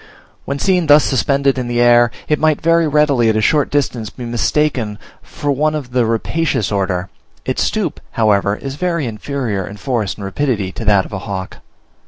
When seen thus suspended in the air, it might very readily at a short distance be mistaken for one of the Rapacious order; its stoop, however, is very inferior in force and rapidity to that of a hawk.